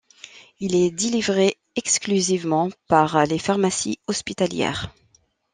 Il est délivré exclusivement par les pharmacies hospitalières.